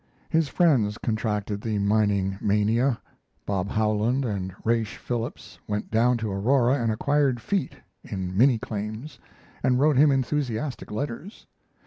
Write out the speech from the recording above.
His friends contracted the mining mania; Bob Howland and Raish Phillips went down to Aurora and acquired "feet" in mini claims and wrote him enthusiastic letters.